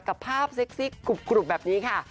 กับภาพเซ็กซี่กรุบแบบนี้ค่ะ